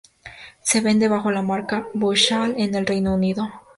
Se vende bajo la marca Vauxhall en el Reino Unido.